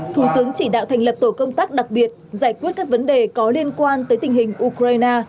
thủ tướng chỉ đạo thành lập tổ công tác đặc biệt giải quyết các vấn đề có liên quan tới tình hình ukraine